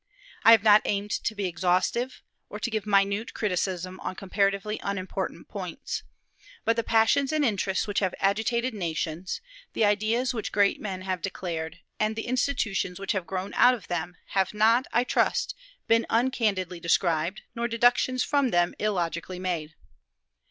I have not aimed to be exhaustive, or to give minute criticism on comparatively unimportant points; but the passions and interests which have agitated nations, the ideas which great men have declared, and the institutions which have grown out of them, have not, I trust, been uncandidly described, nor deductions from them illogically made.